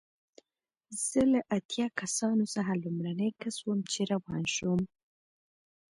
زه له اتیا کسانو څخه لومړنی کس وم چې روان شوم.